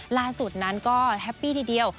ล่าสุดนั้นก็แฮปปี้ทีเดียว